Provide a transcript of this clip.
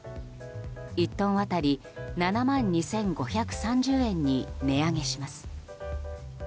１トン当たり７万２５３０円に値上げします。